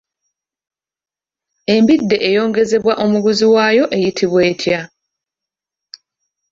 Embidde eyongezebwa omuguzi waayo eyitibwa etya?